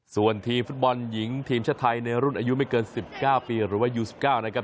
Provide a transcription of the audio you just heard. ส่วนทีมฟุตบอลหญิงทีมชาติไทยในรุ่นอายุไม่เกิน๑๙ปีหรือว่ายู๑๙นะครับ